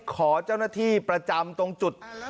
ขอเจ้าหน้าที่ประจำตรงจุด